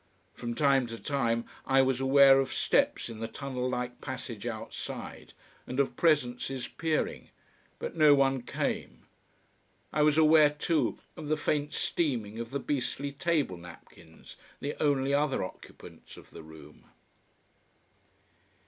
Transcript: From time to time I was aware of steps in the tunnel like passage outside, and of presences peering. But no one came. I was aware too of the faint steaming of the beastly table napkins, the only other occupants of the room.